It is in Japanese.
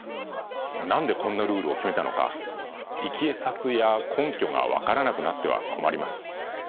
何でこんなルールを決めたのかいきさつや根拠が分からなくなっては困ります。